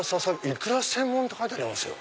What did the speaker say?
いくら専門って書いてますよ。